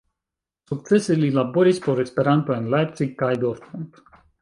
Sukcese li laboris por Esperanto en Leipzig kaj Dortmund.